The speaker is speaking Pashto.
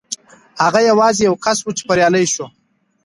هغه یوازې یو کس و چې بریالی شو.